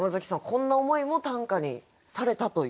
こんな思いも短歌にされたという？